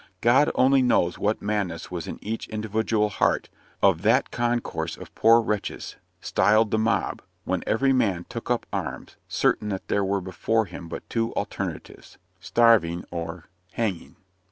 God only knows what madness was in each individual heart of that concourse of poor wretches, styled "the mob," when every man took up arms, certain that there were before him but two alternatives, starving or hanging.